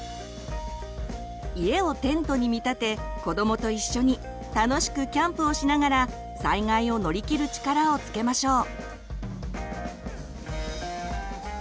家をテントに見立て子どもと一緒に楽しくキャンプをしながら災害を乗り切る力をつけましょう。